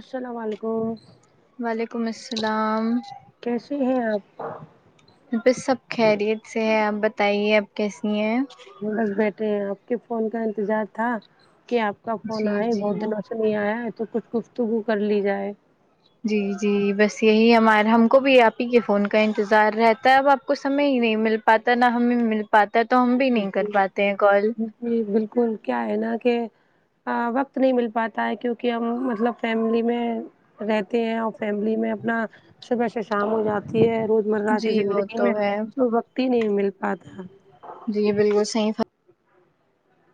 السلام ولیکم وعلیکم السلام کیسے ہیں آپ بس سب خیریت سے ہے آپ بتائیے آپ کیسی ہیں بس بیٹھے ہیں آپ کے فون کا انتظار تھا کہ آپ کا فون جی آئے جی بہت دنوں سے نہیں آیا ہے تو کچھ گفتگو کر لی جائے جی جی بس یہی ہمار ہم کو بھی آپ ہی کے فون کا انتظار رہتا ہے اب آپ کو سمے ہی نہیں مل پتا نہ ہمیں مل پاتا ہے تو ہم بھی نہیں کر پاتے ہیں کال جی بالکل کیا ہے نا کہ ا وقت نہیں مل پاتا ہے کیونکہ ہم مطلب فیملی میں رہتے ہیں اور فیملی میں اپنا صبح سے شام ہو جاتی ہے روز روز مرہ کی جی وہ زندگی تو میں ہے تو وقت ہی نہیں مل پاتا جی بالکل صحیح فر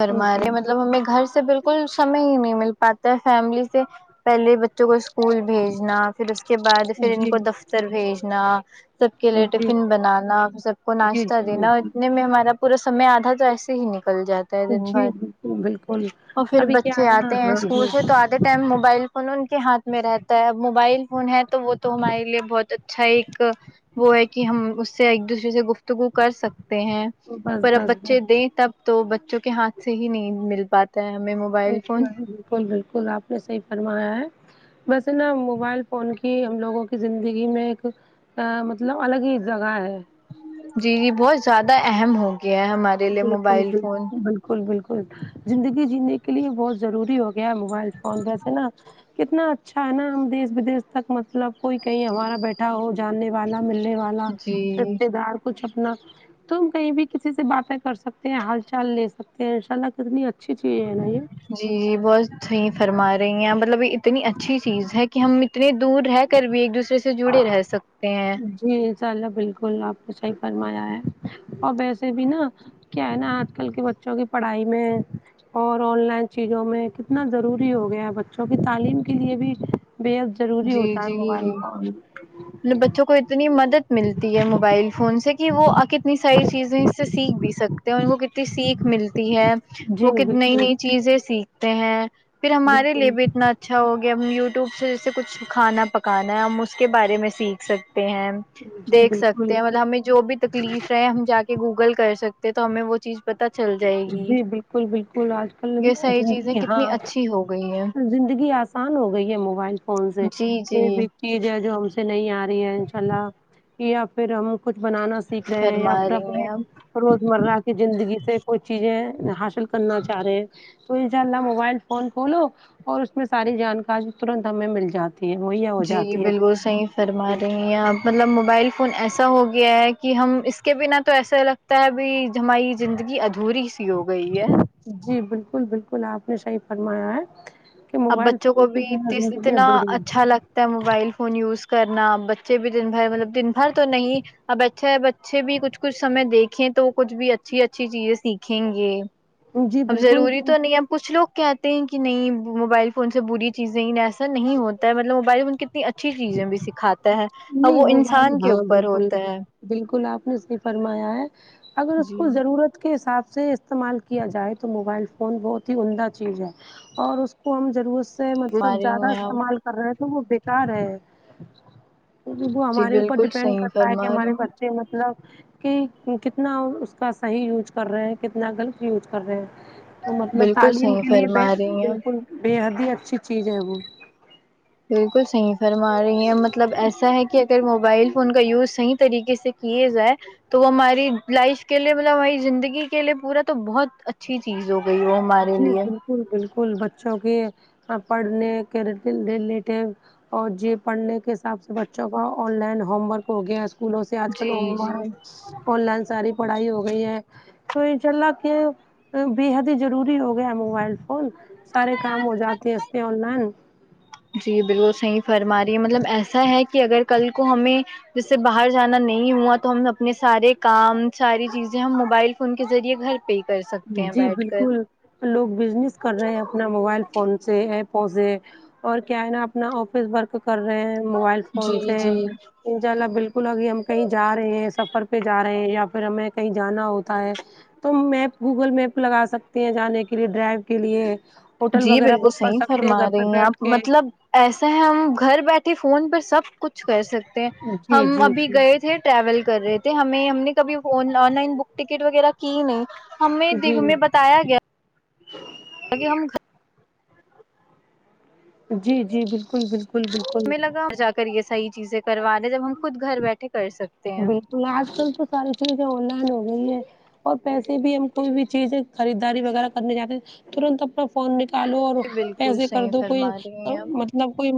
فرمارے جی ہمارے مطلب ہمیں گھر سے بالکل سمے ہی نہیں مل پاتا ہے فیملی سے پہلے بچوں کو اسکول بھیجنا پھر اس کے بعد پھر ان جی کو دفتر بھیجنا سب کے لیے ٹفن بنانا سب کو جی جی ناشتہ جی دینا بالکل اتنے میں ہمارا پورا سمے آدھا تو ایسے ہی نکل جات تا ہے دن جی بھر بالکل بالکل اور پھر ابھی کیا بچے ہے نا آتے ہیں ہاں اسکول جی سے تو آت ٹائم موبائل فون ان کے ہاتھ میں رہتا ہے اب موبائل فون ہے تو وہ تو ہمارے بہت اچھا ایک وہ ہے کہ ہم اس سے ایک دوسرے سے گفت گفتگو کر سکتے ہیں بس پر اب بس بچے بس دیں تب تو بچوں کے ہاتھ سے ہی نہیں مل پاتا ہمیں م جی بالکل بالکل آپ نے صحیح فرمایا ہے ویسے نا موبائل فون کی ہم لوگوں کی زندگی میں ایک ا مطلب الگ ہی جگہ ہے جی جی بہت زیادہ اہم ہو گیا ہے ہمارے لیے بالکل موبائل فون بالکل بالکل بالکل زندگی جینے کے لیے بہت ضروری ہو گیا ہے موبائل فون ویسے نا کتنا اچھا ہے نا ہم دیس بدیش تک مطلب کوئی کہیں ہمارا بیٹھا ہو جاننے والا ملنے والا جی اپنا جی رشتے دار کچھ اپنا تو ہم کہیں بھی کسی سے باتیں کر سکتے ہیں حال چال لے سکتے ہیں ان شاء اللہ کتنی اچھی چیز ہے نا یہ جی بہت صحیح فرما رہی ہیں آپ مطلب یہ اتنی اچھی چیز ہے کہ ہم اتنے دور رہے کر بھی ایک دوسرے سے جڑے رہ سکتے ہیں جی انشاء اللہ بالکل آپ کو صحیح فرمایا ہے اور ویسے بھی نا کیا ہے نہ آج کل کے بچوں کی پڑھائی میں اور آن لائن چیزوں میں کتنا ضروری ہو گیا ہے بچوں کی تعلیم کے لیے بھی بے حد ضروری جی ہوتا ہے موبائل جی فون بچوں کو اتنی مدد ملتی ہے موبائل فون سے کہ وہ کتنی ساری چیزیں اس سے سیکھ بھی سک تے ہیں ان کو کتنی سیکھ ملتی ہے جی وہ کت نئی بالکل نئی چیزیں سیکھ تے ہیں پھر ہمارے لیے بالکل بھی اتنا اچھا ہوگیا ہم یوٹیوب سے سے کچھ کھانا پکانا ہے ہم اس کے بارے میں سیکھ سکتے ہیں جی دیکھ بالکل سکتے ہیں مطلب ہمیں جو بھی تکلیف ہے ہم جاکے گوگل کر سکتے ہیں تو ہمیں وہ چیز پت جی بالکل بالکل آج کل یہ ساری چیزیں زندگی ہاں کتنی اچھی ہو گئی ہیں زندگی آسا آسان ہو گئی ہے موبائل فون سے جی جی پھر بھی چیز ہے جو ہم سے نہیں آ رہی ہے ان شاء اللہ یا پھر ہم کچھ بنانا سیکھ رہے ہیں یا فرما اپنے رہی اپنے ہیں آپ روز مرہ کی زندگی سے کو چیزیں حاصل کرنا چاہ رہے تو ان شاء اللہ موبائل فون کھولو اور اس میں ساری جانکاری ترنت ہمیں مل جاتی تی وہی آ جی بالکل صحیح فرما رہی ہیں آپ مطلب موبائل فون ایسا ہو گیا ہے کہ ہم اس کے بنا تو ایسا لگتا ہے ابھی ہماری زندگی ادھوری سی ہو گئی ہے جی بالکل بالکل آپ نے صحیح فرمایا ہے کہ اب موبائل بچوں فون کو کے بھی بنا اتی سی زندگی اتنا ادھوری اچھا لگ تا موبائل فون یوز کرنا بچے بھی دن بھر مطلب دن بھر تو نہیں اب اچھا ہے بچے بھی کچھ کچھ سمے دیکھیں تو کچھ بھی اچھی اچھی چیزیں سیکھیں گے ہے جی اب ضروری بالکل تو نہیں اب کچھ لوگ کہتے ہیں کہ نہیں موبائل فون سے بری چیزیں ہی ایسا نہیں ہوتا مطلب موبائل میں ان کتنی اچھی چیزیں بھی سکھاتے ہوتا ہے اب نہیں وہ موبائل انسان کے ہاں اوپر بالکل ہوتا ہے بالکل آپ نے اسے فرمایا ہے اگر اس جی کو ضرورت کے حساب سے استعمال کیا جائے تو موبائل فون بہت ہی عمدہ چیز ہے اور اس کو ہم ضرورت سے سے مطلب فرما رہی زیادہ ہیں آپ استعمال کر رہے ہیں تو وہ بیکار ہے وہ جی ہمارے اوپر بالکل ڈپینڈ صحیح کرتا ہے کہ فرما رہی ہمارے ہوں بچے مطلب کی کتنا اس کا صحیح یوج کر رہے ہیں کتنا غلط یوج کر رہے ہیں تو مطلب بالکل تعلیم صحیح کے لیے فرما بیسٹ رہی ہیں بالکل بے حد ہی اچھی چیز ہے وہ بالکل صحیح فرما رہی ہیں مطلب ایسا ہے کہ اگر موبائل فون کا یوز صحیح طریقے سے کیے جائے تو وہ ہماری لائف کے لیے مطلب ہماری زندگی کے لیے پورا تو بہت اچ اچھی چیز ہو گئی وہ ہمارے لیے جی بالکل بالکل بچوں کے پڑھنے کے ریلیٹیو اور جے یہ پڑھنے کے حساب سے بچوں کا آن لائن ہوم ورک ہو گیا اس اسکولوں سے آج کل جی ہوم جی ورکس آن لائن ساری پڑھائی ہو گئی ہے تو ان شاء اللہ کی بیے حد ہی ضروری ہو گیا ہے موبائل فون سارے کام ہو جاتے ہیں اس کے آن لائن جی بالکل صحیح فرما رہی ہے مطلب ایسا ہے کہ اگر کل کو ہمیں جس سے باہر جانا نہیں ہوا تو ہم اپنے سارے کام ساری چیزیں ہم موبائل فون کے ذریعے گھر پہ ہی کر سکتے ہیں جی بیٹھ کر بالکل لوگ بزنس کر رہے ہیں اپنا موبائل فون سے ایپوں سے اور کیا ہے نا اپنا آفس ورک کر رہے ہیں موبائل فون سے انشاء اللہ بالکل ابھی ہم کہیں جا رہے ہیں سفر پہ جا رہے ہیں یا پھر ہمیں کہیں جانا ہوتا ہے تو میپ گوگل میپ لگا سکتے ہیں جانے کے لیے ڈرائیو کے لیے ہوٹل جی وغیرہ بالکل بک کر صحیح سکتے فرما گھر رہی پہ ہیں بیٹھ آپ کے مطلب ایسا ہے ہم گھر بیٹھے فون پہ سب کچھ کر سکتے ہیں جی ہم جی ابھی گئے تھے ٹریول کر رہے تھے ہمیں ہم نے کبھی آن لائن بک ٹکٹ وغیرہ کی نہیں ہمیں جی دیکھو جی میں بتایا گیا آگے کھ ہم جی جی بالکل بالکل بال ہمیں لگا جا کر یہ صحیح چیزیں کروانے جب ہم خود گھر بیٹھے کر سکتے ہیں ہ آج کل تو ساری چیزیں آن لائن ہو گئی ہے اور پیسے بھی ہم کوئی بھی چیزیں خریداری وغیرہ کرنے جاتے ہیں تنت اپنا فون نکالو اور بالکل پیسے کر صحیح دو کوئی فرما رہی ہیں مطلب آپ مطلب کوئی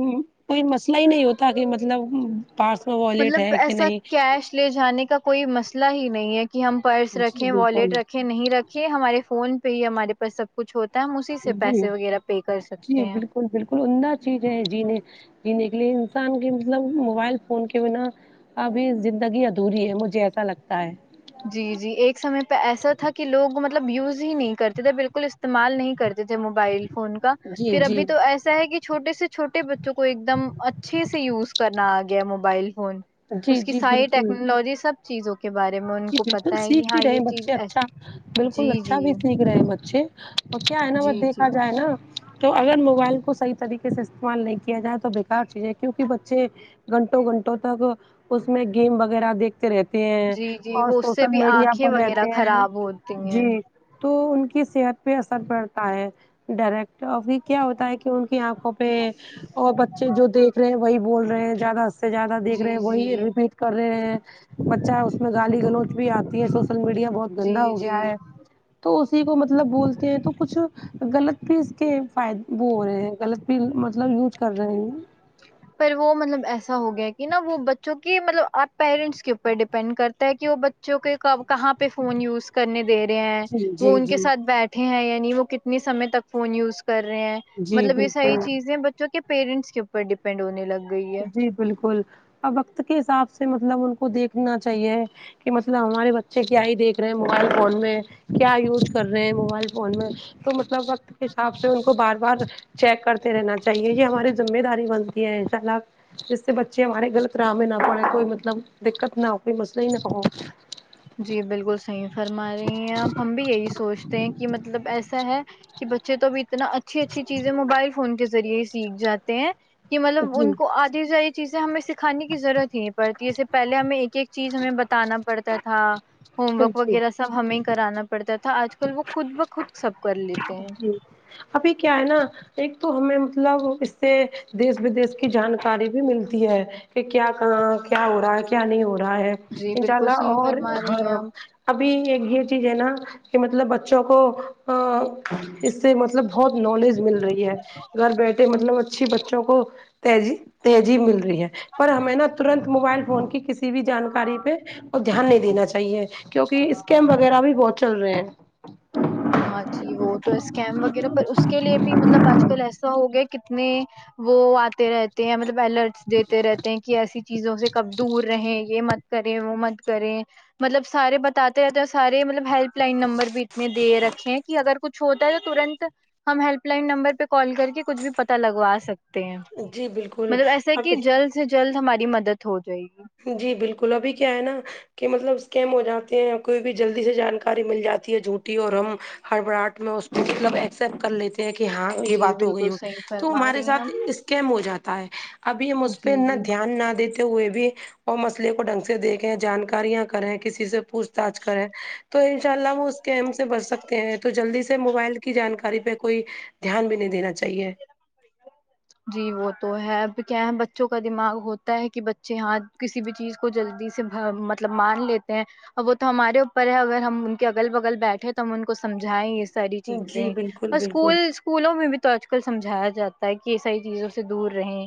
کوئی مسئلہ ہی نہیں ہوتا کہ مطلب پاس میں والیٹ مطلب ہے کہ ایسا نہیں کیش لے جانے کا کوئی مسئلہ ہی نہیں ہے کہ ہم پرس جی رکھیں بالکل والیٹ رکھیں نہیں رکھے ہمارے فون پہ ہی ہمارے پاس سب کچھ ہوتا ہے ہم اسی سے پیسے وغیرہ پے کر سکتے ہیں ک بالکل عمدہ چیز ہے جینے جینے کے لیے انسان کے مطلب موبائل فون کے بنا ابھی زندگی ادھوری ہے مجھے ایسا لگتا ہے جی جی ایک سمے پہ ایسا تھا کہ لوگ مطلب یوز ہی نہیں کرتے تھے بالکل اس استعمال نہیں کرتے تھے موبائل فون کا جی پھر ابھی جی تو ایسا ہے کہ چھوٹے سے چھوٹے بچوں کو ایک دم اچھے سے یوز کرنا آ گیا موبائل فون جی اس کی جی ساری بالکل ٹیکنالوجی سب چیزوں کے بارے میں ان جی کو بالکل پتا ہے کہ سیکھ بھی ہاں رہے یہ ہیں چیز بچے ایس- اچھا جی بالکل اچھا جی بھی سیکھ رہے ہیں بچھے تو کیا ہے نا جی ب جی دیکھا جائے نا تو اگر موبائل کو صحیح طریقے سے استعمال نہیں کیا جائے تو بیکار چیز ہے کیونکہ بچے گھنٹوں گھنٹوں تک اس میں گیم وغیرہ دیکھتے رہتے ہیں جی جی اور وہ اس سے سوشل بھی میڈیا آنکھیں پر وغیرہ رہتے ہیں خراب ہوتی ہیں جی تو ان کی صحت پہ اثر پڑتا ہے ڈائریکٹ ابھی کیا ہوتا ہے کہ ان کی آنکھوں پہ اور چے جو دیکھ رہے ہیں وہی بول رہے ہیں زیادہ سے زیادہ دیک رہے جی ہیں جی وہی ریپیٹ کر رہے ہیں بچہ اس میں گالی گلوچ بھی آتی ہے سوشل میڈیا بہت گندا جی ہو گیا جی ہے تو اسی کو مطلب بولتے ہیں تو کچھ غلط بھی اس کے فائد وہ ہو رہے ہیں غلط بھی مطلب یوج کر رہے ہیں پر وہ مطلب ایسا ہو گیا کہ نا وہ بچوں کی مطلب آپ پیرنٹس کے اوپر ڈیپینڈ کرتا ہے کہ وہ جوک کب کہاں پہ فون یوز کرنے دے رہے ہیں جی وہ جی ان کے جی ساتھ بیٹھے ہیں یعنی وہ کتنے سمے تک فون یوز کر رہے ہیں جی مطلب یہ ساری بالکل چیزیں بچوں کے پیرنٹس کے اوپر ڈیپینڈ ہونے لگ گئی ہے جی بالکل اب وقت کے حساب سے مطلب ان کو دیکھنا چاہیے کہ مطلب ہمارے بچے کیا ہی دیکھ رہے ہیں موبائل فون میں کیا یوز کر رہے ہیں موبائل فون میں تو مطلب وقت کے حساب سے ان کو بار بار چیک کرتے رہنا چاہیے یہ ہماری ذمہ داری بنتی ہے انشاءاللہ جس سے بچے ہمارے غلط راہ میں نہ پڑے کوئی مطلب دقت نہ ہو کوئی مسئلہ ہی نہ جی بالکل صحیح فرما رہی ہیں آپ ہم بھی یہی سوچتے ہیں کہ مطلب ایسا ہے کہ بچے تو اب اتنا اچھی اچھی چیزیں موبائل فون کے ذریعے ہی سیکھ جاتے ہیں کہ معلوم جی ان کو آج یہ ساری چیزیں ہمیں سکھانے کی ضورت ہی نہیں پڑتی اس سے پہے ہمیں ایک ایک چیز ہمیں بتا نا پڑتا ہے تھا ہوم ورک جی وغیرہ سب ہمیں کرانا پڑتا تھا آج کل وہ خود بخود سب کر لی جی ابھی کیا ہے نا ایک تو ہمیں مطلب سے دیس ودیش کی جانکاری بھی ملتی ہے کہ کیا کہاں کیا ہو رہا ہے کیا نہیں ہو رہا ہے جی انشاء بالکل اللہ صحیح اور فرما رہی ہیں ہاں آپ ابھی ایک یہ چیز ہے نا کہ مطلب بچوں کو اس سے مطلب بہت نالج مل رہی ہے گھر بیٹھے مطلب اچھیھی بچوں کو تی جی تیذیب مل رہی ہے پر ہمیں نہ ترنت موبائل فون کی کسی ک بھی جانکاری پہ اور دھیان نہیں دینا چاہیے کیونکہ اسکیم وغیرہ بھی بہت چل رہے ہیں ہاں جی وہ تو اسکیم وغیرہ پر اس کے لیے بھی مطلب آج کل ایسا ہو گیا کتنے وہ آتے رہتے ہیں مطلب الرٹس دیتے رہتے ہیں کہ ایسی چیزوں سے کب دور رہے یہ مت کریں وہ مت کریں مطلب سارے بتاتے رہتے اور سارے مطلب ہیلپ لائن نمبر بھی اتنے دیر اگر کچھ ہوتا ہے تو تنت ہم ہیلپ لائن نمبر پہ کال کر کے کچھ بھی پتتا لگوا سکتے تے ہے جی بالکل مطلب ایسا اب کہ جلد سے جلد ہماری مدد ہو جائے گی جی بالکل ابھی کیا ہے نا کہ مطلب اسکیم ہو جاتے ہیں کوئی بھی جلدی سے جانکاری مل جاتی ہے جھوٹی اور ہم ہربراٹ میں اس کو مطلب ایکسپٹ کر لیتے کہ ہاں یہ جی بات تو ہوگئی بالکل ہو صحیح تو فرما رہی ہمارے ہیں ساتھ آپ اس کیم ہو جاتا ہے ابھی ہم اس پہ جی انا جی دھیان نہ دیتے ہوئے بھی اور مسئلے کو ڈھنگ سے دیکھیں جانکاریاں کریں کسی سے پوچھ تاچھ کریں تو انشاء اللہ وہ اس کے سے بچ سکتے ہیں تو جلدی سے موبائل کی جانکاری پہ کوئی دھیان بھی نہیں دینا چاہیے جی وہ تو ہے اب کیا ہے بچوں کا دماغ ہوتا ہے کہ بچے ہاں کسی بھی چیز کو جلدی سے مطلب مان لیتے ہیں ا وہ تو ہمارے اوپر ہے اگر ہم ان کے اگل بگل بیٹھے تو ہم ان کو سمجھائیں یہ ساری چیزیں جی بالکل اور بالکل اسکول اسکولوں میں بھی تو آج کل سمجھایا جاتا ہے کہ ساری چیزوں سے دور رہیں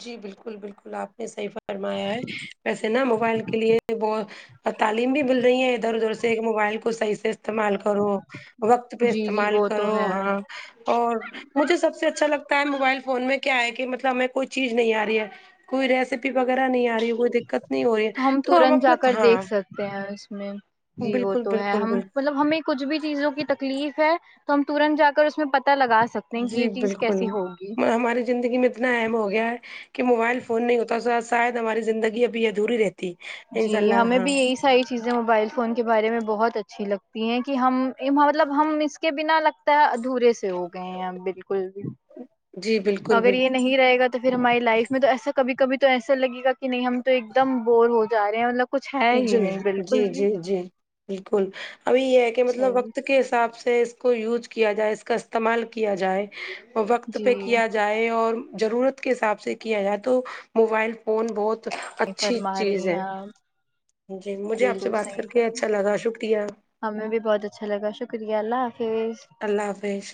جی بالکل بالکل آپ نے صحیح فرمایا ہے ویسے نا موبائل کے لیے بت اور تعلیم بھی مل رہی ہیں ادھر ادھر سے ایک موبائل کو صحیح سے استعمال کرو وقت پہ جی جی استعمال وہ تو کرو ہے ہاں اور مجھے سب سے اچھا لگتا ہے موبائل فون میں کیا ہے کہ مطلب ہمیں کوئی چیز نہیں آ رہی ہے کوئی ریسیپی وغیرہ نہیں آ رہی ہے وہ دی تو ہم تورنت جا کر دیکھ سکتے ہیں اس میں جی وہ بالکل تو ہے بالکل ہم بالکل مطلب ہمیں کچھ بھی چیزوں کی تکلیف ہے تو ہم ترنت جا کر اس میں پتا لگا سکتے ہیں کہ یہ جی چیز بالکل کیسی ہوگی م ہماری زندگی میں تو اتنا اہم ہو گیا ہے کہ موبائل فون نہیں ہوتا شاید ہماری زندگی ابھی ادھوری رہ جی ہمیں بھی یہی ساری چیزیں موبائل فون کے بارے میں بہت اچھی لگتی ہیں کہ ہم مطلب ہم اس کے بنا لگ تا ادھورے سے ہو گئے ہیں ہم بالکل بھی جی بالکل اگر یہ بالکل نہیں رہے گا تو پھر ہماری لائف میں تو ایسا کبھی کبھی تو ایسا لگے گا کہ نہیں ہم تو ایک دم بور ہو جا رہے ہیں مطلب کچھ ہے ہی جی نہیں جی بالکل بھی جی جی بالکل ابھی یہ ہے کہ مطلب چلیے وقت کے حساب سے سے اس کو یوج کیا جائے اس کا استعمال کیا جائے وقت پہ کیا جی جائے اور ضرورت کے حساب سے کیا جائے تو موبائل فون بہت اچھی فرما چیز رہی ہیں ہے آپ جی مجھے آپ سے بالکل بات صحیح کر کے فرما اچھا لگا شکریہ ہمیں بھی بہت اچھا لگا شکریہ اللہ حافظ اللہ حافظ